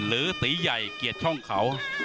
หรือตีใหญ่เกียรติช่องเขา